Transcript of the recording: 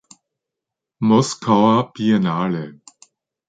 Moskauer Biennale.